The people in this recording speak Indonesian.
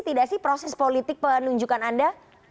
tidak sih proses politik penunjukan anda